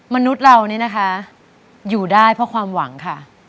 มนุษย์เรานี่นะคะอยู่ได้เพราะความหวังค่ะ